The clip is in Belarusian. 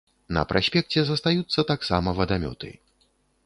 На праспекце застаюцца таксама вадамёты.